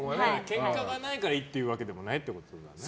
ケンカがないからいいってわけでもないんだね。